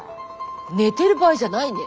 寝てる場合じゃないね。